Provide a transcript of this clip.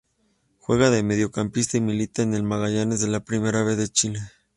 Juega de mediocampista y milita en Magallanes de la Primera B de Chile.